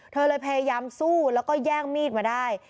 เธอเลยพยายามสู้แล้วก็แย่งมีดมาได้